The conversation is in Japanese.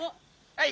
はい！